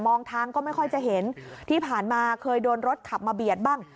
ทางก็ไม่ค่อยจะเห็นที่ผ่านมาเคยโดนรถขับมาเบียดบ้าง